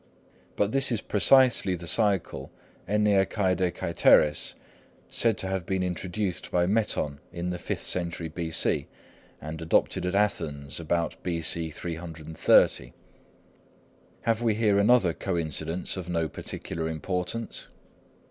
But this is precisely the cycle, ἐννεακαιδεκαετηρίς, said to have been introduced by Meton in the fifth century B.C., and adopted at Athens about B.C. 330. Have we here another coincidence of no particular importance?